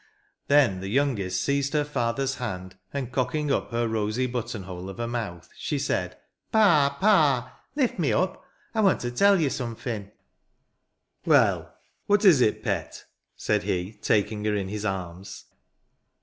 Then the youngest seized her father's hand, and cocking up her rosy button hole of a mouth, she said, "Pa! Pa! lift me up! I want to tell you somefin." " Well ; what is it, pet?" said he, taking her in his arms.